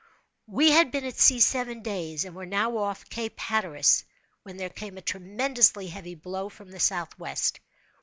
We had been at sea seven days, and were now off Cape Hatteras, when there came a tremendously heavy blow from the southwest.